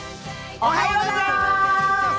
おはようございます！